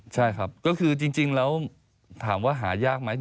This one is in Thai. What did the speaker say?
ใช่ครับก็คือจริงแล้วถามว่าหายากไหม